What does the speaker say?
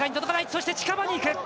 そして近場にいく。